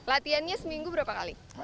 latiannya seminggu berapa kali